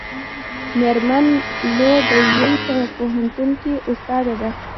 میرمن لو د ییل په پوهنتون کې استاده ده.